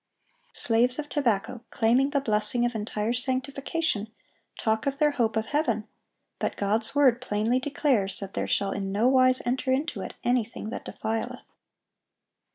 Slaves of tobacco, claiming the blessing of entire sanctification, talk of their hope of heaven; but God's word plainly declares that "there shall in no wise enter into it anything that defileth."